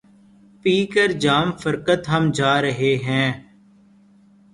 پی کر جام فرقت ہم جا رہے ہیں